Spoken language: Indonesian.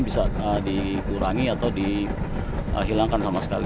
bisa dikurangi atau dihilangkan sama sekali seperti itu